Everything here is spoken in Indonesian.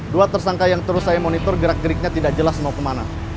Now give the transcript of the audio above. dua tersangka yang terus saya monitor gerak geriknya tidak jelas mau kemana